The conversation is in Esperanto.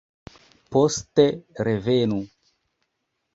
Poste revenu.